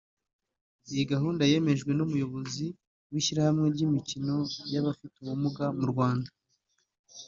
Iyi gahunda yemejwe n’Umuyobozi w’ishyirahamwe ry’imikino y’abafite ubumuga mu Rwanda